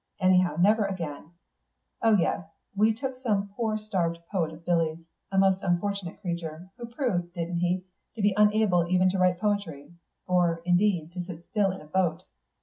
Anyhow never again. Oh yes, and we took some poor starved poet of Billy's a most unfortunate creature, who proved, didn't he, to be unable even to write poetry. Or, indeed, to sit still in a boat.